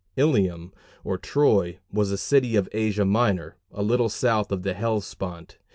Ilium, or Troy, was a city of Asia Minor, a little south of the Hellespont.